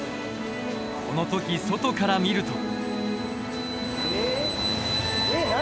この時外から見ると。